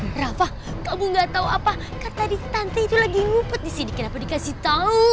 eh rafa kamu gak tau apa kan tadi tante itu lagi ngupet disini kenapa dikasih tau